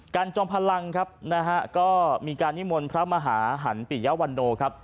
จอมพลังครับนะฮะก็มีการนิมนต์พระมหาหันปิยวันโนครับ